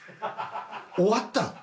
終わったん？